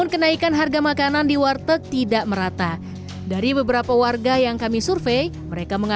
kenaikan harga makanan di warteg ini pun diaminin